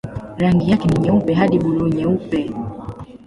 Rangi yake ni nyeupe hadi buluu-nyeupe.